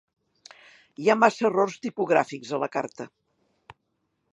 Hi ha massa errors tipogràfics a la carta.